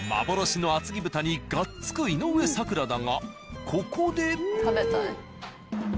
幻のあつぎ豚にがっつく井上咲楽だがここで。